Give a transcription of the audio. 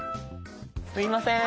すいません。